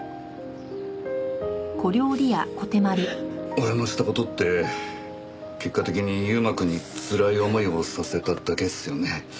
俺のした事って結果的に優馬くんにつらい思いをさせただけですよね。